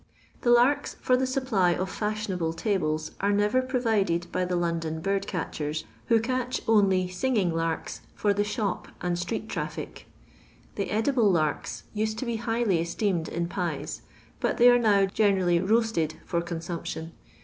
The hvrks fur the supply of fashionable t«ibles are never provided by the London bird catchers, who catch only " singing larks," for the shop and street traffic. The edible larks used to be highly esteemed in pies, but they are now generally ro; isted for consumption.